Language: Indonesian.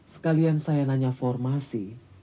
sekalian saya nanya formasi